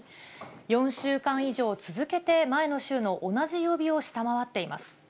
４週間以上続けて、前の週の同じ曜日を下回っています。